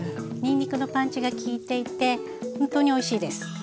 にんにくのパンチがきいていてほんとにおいしいです。